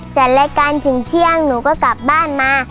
จัดรายการถึงเที่ยงหนูก็กลับบ้านมา